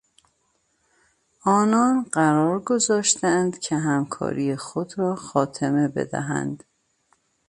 آنان قرار گذاشتند که همکاری خود را خاتمه بدهند.